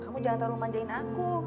kamu jangan terlalu memanjain aku